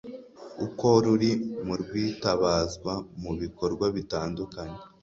uko ruri mu rwitabazwa mu bikorwa bitandukanye